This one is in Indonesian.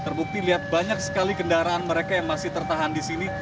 terbukti lihat banyak sekali kendaraan mereka yang masih tertahan di sini